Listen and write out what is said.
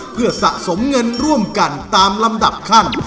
เพื่อสะสมเงินร่วมกันตามลำดับขั้น